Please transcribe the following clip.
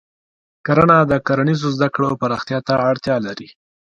کرنه د کرنیزو زده کړو پراختیا ته اړتیا لري.